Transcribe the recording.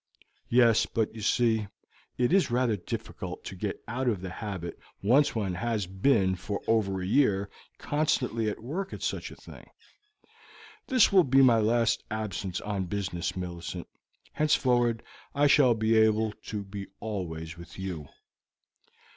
"Yes; but, you see, it is rather difficult to get out of the habit when one has been for over a year constantly at work at a thing. This will be my last absence on business, Millicent; henceforward I shall be able to be always with you."